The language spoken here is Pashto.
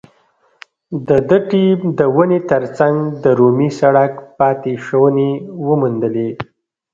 د ده ټیم د ونې تر څنګ د رومي سړک پاتې شونې وموندلې.